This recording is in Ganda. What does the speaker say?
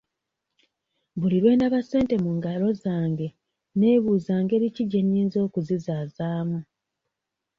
Buli lwe ndaba ssente mu ngalo zange neebuuza ngeri ki gye nnyinza okuzizaazaamu?